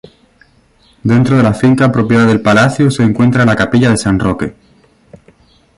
Dentro de la finca propiedad del palacio se encuentra la capilla de San Roque.